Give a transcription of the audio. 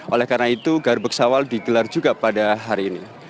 oleh karena itu garbek sawal digelar juga pada hari ini